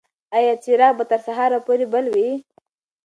ایا څراغ به تر سهار پورې بل وي؟